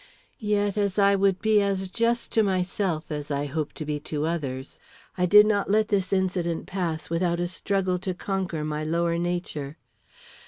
Yet as I would be as just to myself as I hope to be to others, I did not let this incident pass, without a struggle to conquer my lower nature.